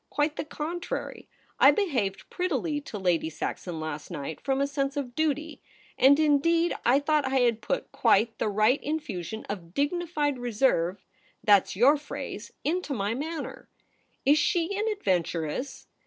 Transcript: Quite the contrary. I behaved prettily to Lady Saxon last night from a sense of duty — and indeed I thought I had put quite the right infusion of "dignified reserve" — that's your phrase — into my manner. Is she an adventuress